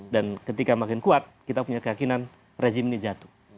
dan ketika makin kuat kita punya keyakinan rezim ini jatuh